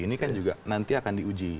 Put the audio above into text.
ini kan juga nanti akan diuji